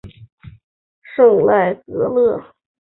圣赖格勒。